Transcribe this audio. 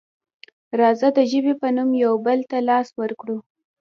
راځه د ژبې په نوم یو بل ته لاس ورکړو.